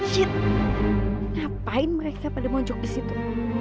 tidak apa yang mereka lakukan pada saat itu